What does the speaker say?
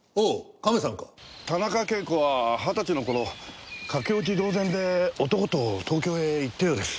田中啓子は二十歳の頃駆け落ち同然で男と東京へ行ったようです。